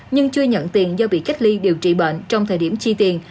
nhưng chưa nhận tiền do bị cách ly điều trị bệnh trong thời điểm chi tiền